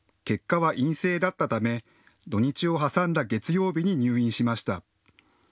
結果は陰性だったため土日を挟んだ月曜日に入院しました。